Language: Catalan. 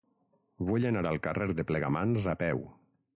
Vull anar al carrer de Plegamans a peu.